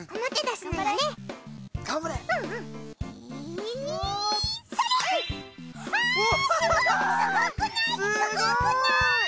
すごくない？